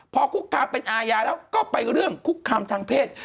พอคุกคามเป็นอาญาแล้วก็ไปเรื่องคุกคามทางเพศ